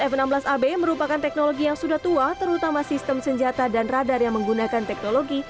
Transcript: f enam belas ab merupakan teknologi yang sudah tua terutama sistem senjata dan radar yang menggunakan teknologi